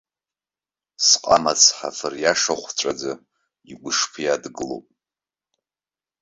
Сҟама цҳафыр иашахәҵәаӡа игәышԥы иадгылоуп.